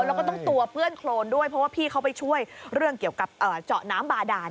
แล้วก็ต้องตัวเปื้อนโครนด้วยเพราะว่าพี่เขาไปช่วยเรื่องเกี่ยวกับเจาะน้ำบาดาน